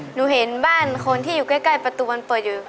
หนูเห็นบ้านคนที่อยู่ใกล้ประตูมันเปิดอยู่